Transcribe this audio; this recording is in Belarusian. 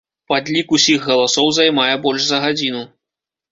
Падлік усіх галасоў займае больш за гадзіну.